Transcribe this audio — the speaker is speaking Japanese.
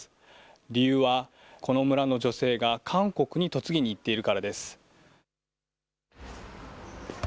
理由は、この村の女性が韓国に嫁ぎに行っているからです。